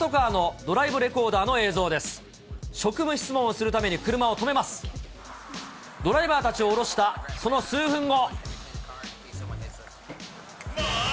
ドライバーたちを降ろしたその数分後。